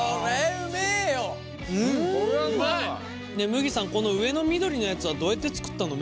むぎさんこの上の緑のやつはどうやって作ったの？